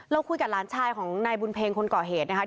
แล้วคุยกับร้านชายของหน่ายบุญเพียงคนกรเหตุนะครับ